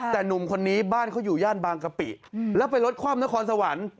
แต่หนุ่มคนนี้บ้านเขาอยู่ย่านบางกะปิแล้วไปรถคว่ำนครสวรรค์